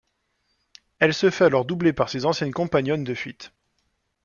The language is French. Elle se fait alors doubler par ses anciennes compagnonnes de fuite.